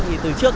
thì từ trước